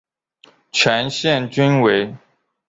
全线均为。